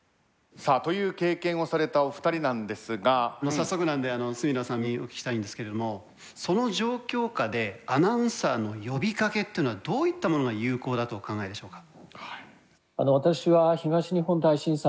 早速なんで住田さんにお聞きしたいんですけれどもその状況下でアナウンサーの呼びかけっていうのはどういったものが有効だとお考えでしょうか。